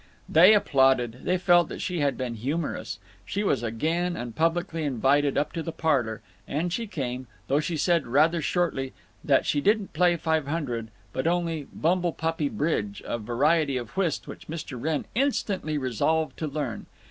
They applauded. They felt that she had been humorous. She was again and publicly invited up to the parlor, and she came, though she said, rather shortly, that she didn't play Five Hundred, but only bumblepuppy bridge, a variety of whist which Mr. Wrenn instantly resolved to learn.